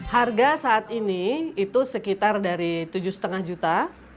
harga saat ini itu sekitar dari tujuh lima juta